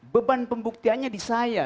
beban pembuktiannya di saya